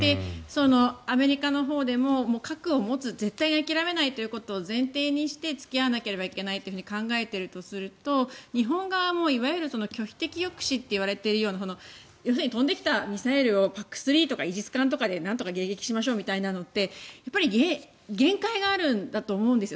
アメリカのほうでも核を持つ、絶対に諦めないということを前提にして付き合わなければいけないと考えているとすると日本側もいわゆる拒否的抑止といわれているような要するに飛んできたミサイルをＰＡＣ３とかイージス艦でなんとか迎撃しましょうっていうのって限界があるんだと思うんですよ。